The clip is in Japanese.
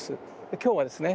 今日はですね